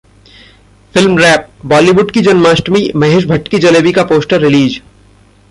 FilmWrap: Bollywood की जन्माष्टमी, महेश भट्ट की जलेबी का 'पोस्टर' रिलीज